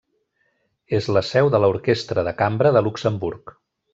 És la seu de l'Orquestra de Cambra de Luxemburg.